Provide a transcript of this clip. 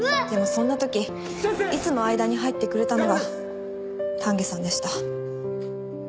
でもそんな時いつも間に入ってくれたのが丹下さんでした。